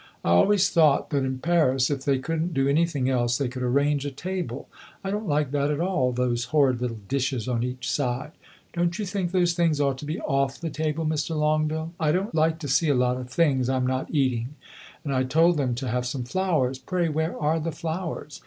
"I always thought that in Paris, if they could n't do anything else, they could arrange a table. I don't like that at all those horrid little dishes on each side! Don't you think those things ought to be off the table, Mr. Longueville? I don't like to see a lot of things I 'm not eating. And I told them to have some flowers pray, where are the flowers?